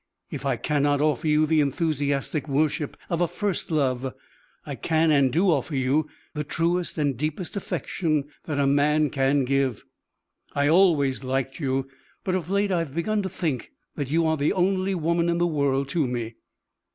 If I cannot offer you the enthusiastic worship of a first love, I can and do offer you the truest and deepest affection that a man can give. I always liked you, but of late have begun to think that you are the only woman in the world to me."